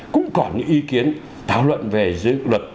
cũng có những ý kiến thảo luận về dự luật